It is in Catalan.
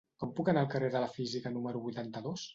Com puc anar al carrer de la Física número vuitanta-dos?